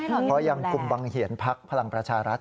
เพราะยังคุมบังเหียนพักพลังประชารัฐ